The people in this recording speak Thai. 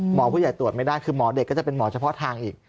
หมอผู้ใหญ่ตรวจไม่ได้คือหมอเด็กก็จะเป็นหมอเฉพาะทางอีก